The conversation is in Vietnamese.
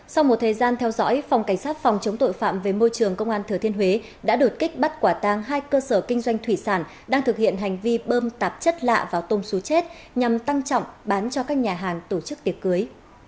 sau một thời gian theo dõi phòng cảnh sát phòng chống tội phạm về môi trường công an thừa thiên huế đã đột kích bắt quả tang hai cơ sở kinh doanh thủy sản đang thực hiện hành vi bơm tạp chất lạ vào tôm xúi chết nhằm tăng trọng bán cho các nhà hàng tổ chức tiệc cưới